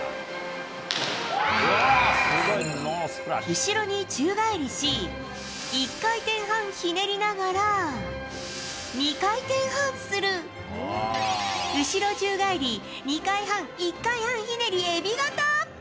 後ろに宙返りし１回転半ひねりながら２回転半する後ろ宙返り２回半１回半ひねりエビ型。